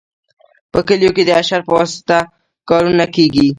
په کلیو کې د اشر په واسطه کارونه کیږي.